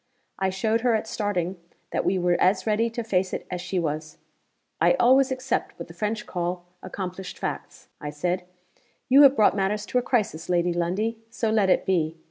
I showed her at starting that we were as ready to face it as she was. 'I always accept what the French call accomplished facts,' I said. 'You have brought matters to a crisis, Lady Lundie. So let it be.